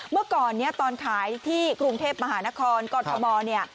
เมื่อก่อนเนี่ยตอนขายที่กรุงเทพมหานครกรทมเนี่ย